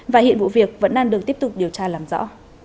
và hiện vụ việc vẫn đang được tiếp tục điều tra làm rõ